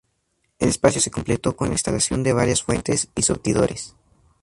El espacio se completó con la instalación de varias fuentes y surtidores.